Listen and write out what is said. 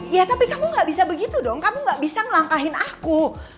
ya tapi kamu gak bisa begitu dong kamu gak bisa ngelangkahin aku